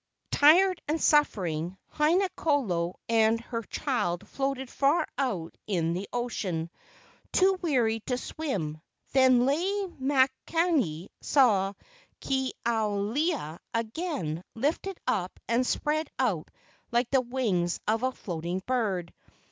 Tired and suffering, Haina kolo and her child floated far out in the ocean, too weary to swim. Then Lei makani saw Ke ao lewa again lifted up and spread out like the wings of a float¬ ing bird.